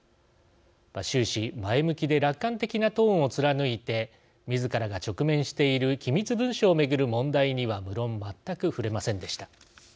終始、前向きで楽観的なトーンを貫いてみずからが直面している機密文書を巡る問題には無論全く触れませんでした。